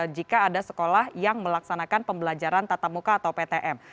jika ada sekolah yang melaksanakan pembelajaran tatap muka atau ptm